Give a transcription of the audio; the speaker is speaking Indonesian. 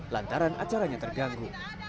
lantaran acaranya terganggu